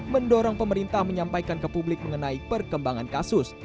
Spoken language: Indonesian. mendorong pemerintah menyampaikan ke publik mengenai perkembangan kasus